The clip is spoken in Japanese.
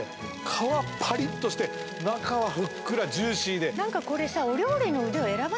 皮パリッとして中はふっくらジューシーで何かこれさ